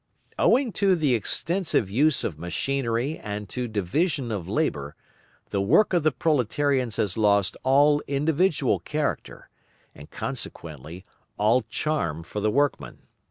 Owing to the extensive use of machinery and to division of labour, the work of the proletarians has lost all individual character, and consequently, all charm for the workman.